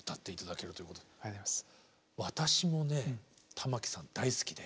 私もね玉置さん大好きで。